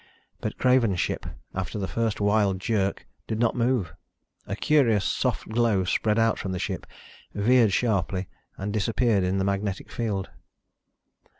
But Craven's ship, after the first wild jerk, did not move. A curious soft glow spread out from the ship, veered sharply and disappeared in the magnetic field.